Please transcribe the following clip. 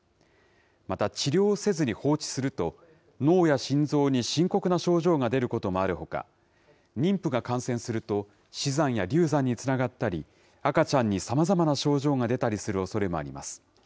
また、治療をせずに放置すると、脳や心臓に深刻な症状が出ることもあるほか、妊婦が感染すると、死産や流産につながったり、赤ちゃんにさまざまな症状が出たりするおそれもあります。